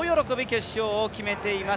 決勝進出を決めています。